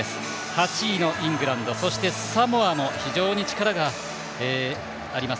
８位のイングランドそして、サモアも非常に力があります。